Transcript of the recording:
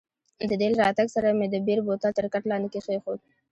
د دې له راتګ سره مې د بیر بوتل تر کټ لاندې کښېښود.